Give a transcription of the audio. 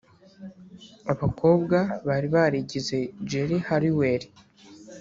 Abakobwa bari barigize Geri Halliwell